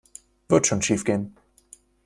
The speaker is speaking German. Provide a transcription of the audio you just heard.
Wird schon schiefgehen.